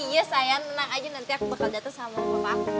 iya sayang menang aja nanti aku bakal dateng sama bapak